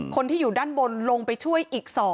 คนที่อยู่ด้านบนลงไปช่วยอีก๒